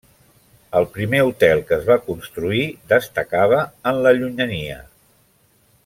El primer hotel que es va construir destacava en la llunyania.